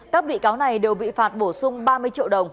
các bị cáo này đều bị phạt bổ sung ba mươi triệu đồng